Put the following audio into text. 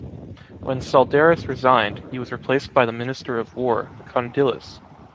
When Tsaldaris resigned, he was replaced by the Minister of War, Kondylis.